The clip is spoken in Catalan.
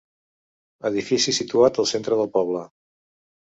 Edifici situat al centre del poble.